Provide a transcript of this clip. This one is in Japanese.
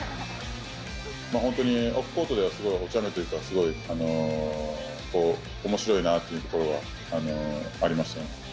本当にオフコートでは、すごいおちゃめというか、すごいおもしろいなというところがありましたね。